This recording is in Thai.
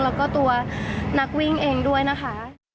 แล้วก็ตัวนักวิ่งเองด้วยนะคะ